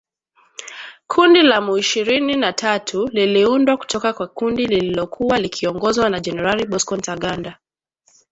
Kundi la m ishirini na tatu liliundwa kutoka kwa kundi lililokuwa likiongozwa na Generali Bosco Ntaganda